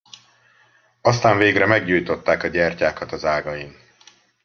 Aztán végre meggyújtották a gyertyákat az ágain.